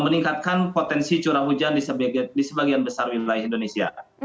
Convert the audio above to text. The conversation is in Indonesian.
meningkatkan potensi curah hujan di sebagian besar wilayah indonesia